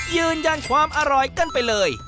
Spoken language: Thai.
ยืนยันความอร่อยกันไปเลย